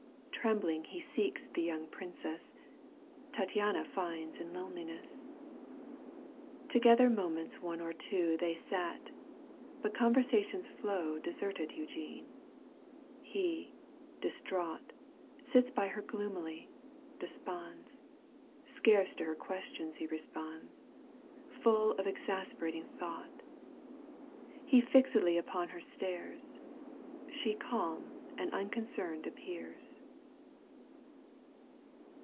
Trembling he seeks the young princess — Tattiana finds in loneliness. Together moments one or two They sat, but conversation's flow • Deserted Eugene. He, distraught, Sits by her gloomily, desponds, Scarce to her questions he responds, Full of exasperating thought He fixedly upon her stares — She calm and unconcerned appears.